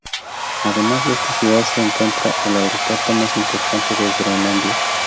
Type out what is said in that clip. Además en esta ciudad se encuentra el aeropuerto más importante de Groenlandia.